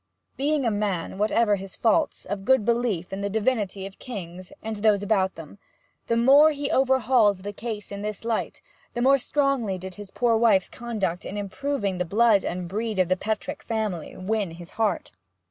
Being a man, whatever his faults, of good old beliefs in the divinity of kings and those about 'em, the more he overhauled the case in this light, the more strongly did his poor wife's conduct in improving the blood and breed of the Petrick family win his heart.